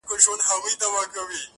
هره ورځ نوې تجربه ده.